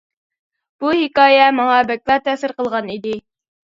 بۇ ھېكايە ماڭا بەكلا تەسىر قىلغان ئىدى.